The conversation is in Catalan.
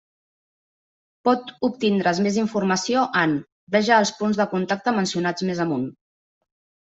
Pot obtindre's més informació en: veja els punts de contacte mencionats més amunt.